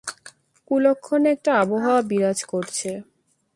কুলক্ষণে একটা আবহাওয়া বিরাজ করছে।